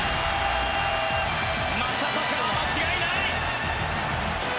正尚は間違いない！